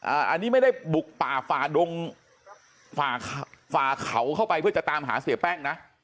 อันนี้ไม่ได้บุกป่าฝ่าดงฝ่าฝ่าเขาเข้าไปเพื่อจะตามหาเสียแป้งนะ